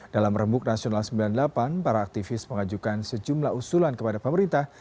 dalam rembuk nasional sembilan puluh delapan para aktivis mengajukan sejumlah usulan kepada pemerintah